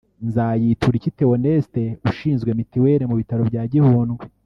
Nzayituriki Theoneste ushinzwe mituweli mu bitaro bya Gihundwe